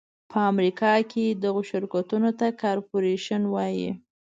په امریکا کې دغو شرکتونو ته کارپورېشن وایي.